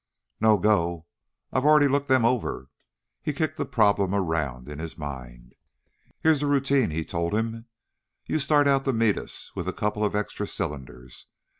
"No go. I've already looked them over." He kicked the problem around in his mind. "Here's the routine," he told him. "You start out to meet us with a couple of extra cylinders.